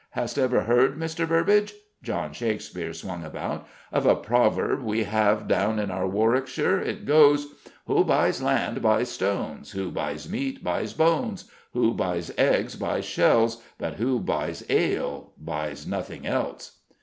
Hast ever heard, Mr. Burbage" John Shakespeare swung about "of a proverb we have down in our Warwickshire? It goes _Who buys land buys stones, Who buys meat buys bones, Who buys eggs buys shells, But who buys ale buys nothing else.